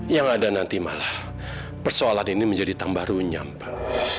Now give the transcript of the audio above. yang ada nanti malah persoalan ini menjadi tambah runyam pak